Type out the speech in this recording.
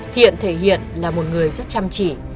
thiện thể hiện là một người rất chăm chỉ